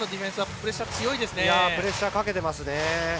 プレッシャーかけてますね。